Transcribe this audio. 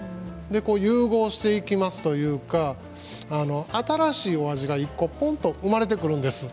融合していきますというか新しいお味が一個ポンと生まれてくるんです。